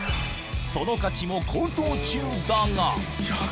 その価値も高騰中だが。